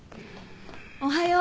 おはよう。